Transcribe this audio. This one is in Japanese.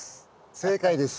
正解です。